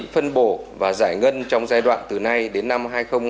phân bổ và giải ngân trong giai đoạn từ nay đến năm hai nghìn hai mươi năm